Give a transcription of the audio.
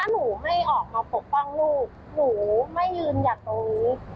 หนูไม่ออกมาปกป้องลูกหนูไม่ยืนหยัดตรงนี้